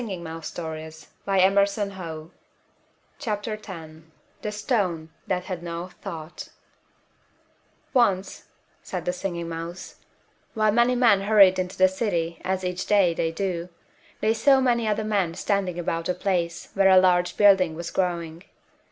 [Illustration: The Stone that Had no Thought] THE STONE THAT HAD NO THOUGHT "Once," said the Singing Mouse, "while many men hurried into the city, as, each day, they do, they saw many other men standing about a place where a large building was growing.